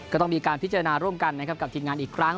ก็ต้องมีการพิจารณาร่วมกันนะครับกับทีมงานอีกครั้ง